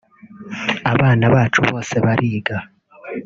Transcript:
abana bacu bose bariga”